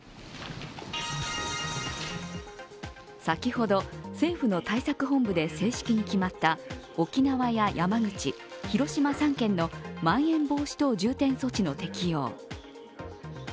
先ほど政府の対策本部で正式に決まった沖縄や山口、広島、３県のまん延防止等重点措置の適用。